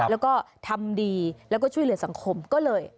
แล้วก็ทำดีแล้วก็ช่วยเหลือสังคมก็เลย